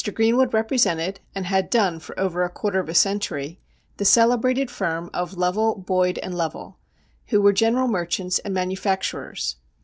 Greenwood represented, and had done for over a quarter of a century, the celebrated firm of Lovell, Boyd and Lovell, who were general merchants and manufacturers.